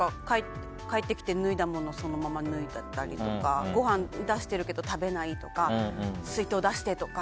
帰ってきて着てたものをそのまま脱いでたりとかごはん出してるけど食べないとか水筒出してとか。